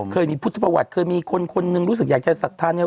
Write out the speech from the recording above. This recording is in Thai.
เคยมีพุทธภาวะเคยมีคนหนึ่งรู้สึกอยากจะสัทธา